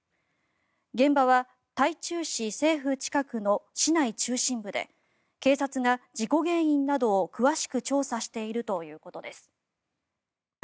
現場は台中市政府近くの市内中心部で警察は事故原因などを詳しく調査しているということです。